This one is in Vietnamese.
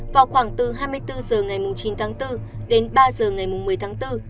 vào khoảng từ hai mươi bốn giờ ngày chín tháng bốn đến ba giờ ngày một mươi tháng bốn